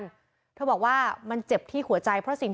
บอกว่ามันจะแกว้ยเจ็บที่หัวใจ